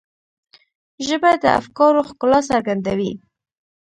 ژبه د افکارو ښکلا څرګندوي